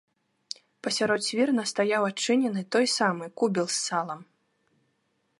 Пасярод свірна стаяў адчынены, той самы, кубел з салам.